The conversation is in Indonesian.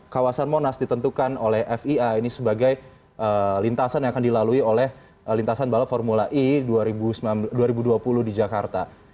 kawasan monas ditentukan oleh fia ini sebagai lintasan yang akan dilalui oleh lintasan balap formula e dua ribu dua puluh di jakarta